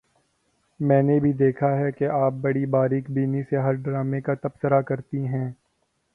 میں نے بھی دیکھا ہے کہ آپ بڑی باریک بینی سے ہر ڈرامے کا تبصرہ کرتی ہیں